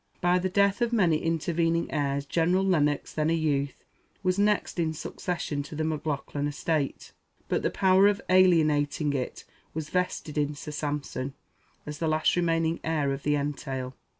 By the death of many intervening heirs General Lennox, then a youth, was next in succession to the Maclaughlan estate; but the power of alienating it was vested in Sir Sampson, as the last remaining heir of the entail.